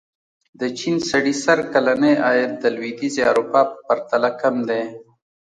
د چین سړي سر کلنی عاید د لوېدیځې اروپا په پرتله کم دی.